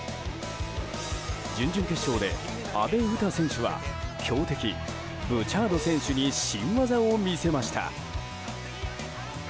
準々決勝で阿部詩選手は強敵ブシャール選手に新技を見せました。